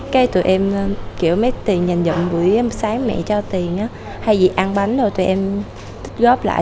cái tụi em kiểu mấy tiền dành dụng buổi sáng mẹ cho tiền hay gì ăn bánh rồi tụi em góp lại